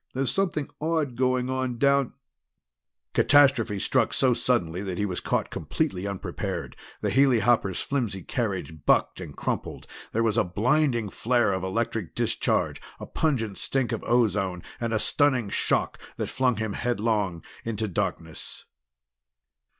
There's something odd going on down " Catastrophe struck so suddenly that he was caught completely unprepared. The helihopper's flimsy carriage bucked and crumpled. There was a blinding flare of electric discharge, a pungent stink of ozone and a stunning shock that flung him headlong into darkness.